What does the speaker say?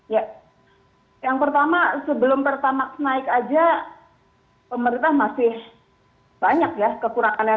ya yang pertama sebelum pertamax naik aja